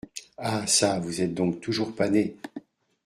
Ah ! ça vous êtes donc toujours pané !